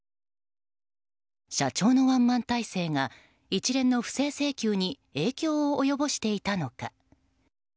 社長のワンマン体制が一連の不正請求に影響を及ぼしていたのか。